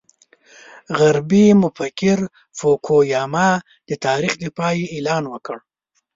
غربي مفکر فوکو یاما د تاریخ د پای اعلان وکړ.